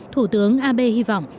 thủ tướng abe hy vọng